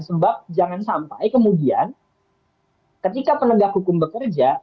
sebab jangan sampai kemudian ketika penegak hukum bekerja